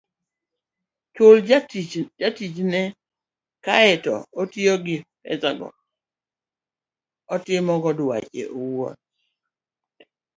chulo jotichne kae to otiyo gi pesago e timo dwache owuon.